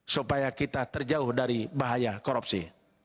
supaya kita terjauh dari bahaya korupsi